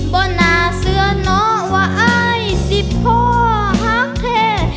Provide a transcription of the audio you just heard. บ่นาเสือหนอวะไอสิบพ่อหักเท